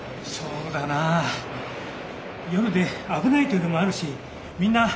そうだなあ夜で危ないというのもあるしみんな。